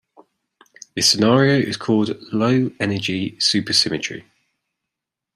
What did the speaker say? This scenario is called "low energy supersymmetry".